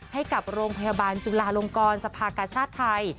ให้กับโรงพยาบาลจุลาลงกรสภากชาติไทย